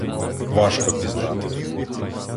Важко пізнати.